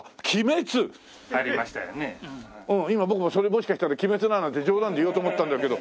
今僕もそれもしかしたら『鬼滅』だなんて冗談で言おうと思ったんだけど。